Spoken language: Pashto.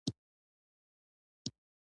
مشوري راکړئ مهربانی وکړئ